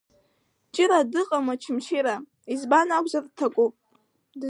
Ҷыра дыҟам Очамчыра, избан акәзар дҭакуп.